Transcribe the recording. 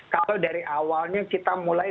kalau dari awalnya kita mulai